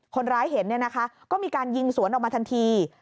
คนร้ายเห็นก็มีการยิงสวนออกมาทันที